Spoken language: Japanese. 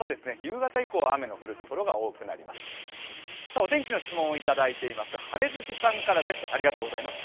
お天気の質問をいただいております、晴れ好きさんからです、ありがとうございます。